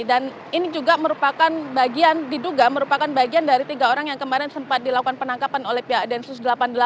dan ini juga merupakan bagian diduga merupakan bagian dari tiga orang yang kemarin sempat dilakukan penangkapan oleh pihak densus delapan puluh delapan